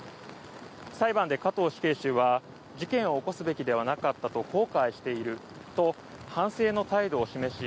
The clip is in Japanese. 裁判で加藤死刑囚は事件を起こすべきではなかったと後悔していると反省の態度を示し